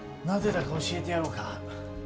なぜだか教えてやろうか？